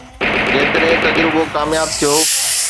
جيڪڏهن تجربو ڪامياب ٿيو